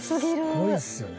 すごいっすよね。